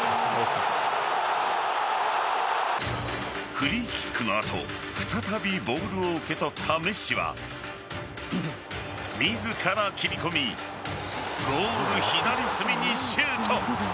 フリーキックの後再びボールを受け取ったメッシは自ら切り込みゴール左隅にシュート。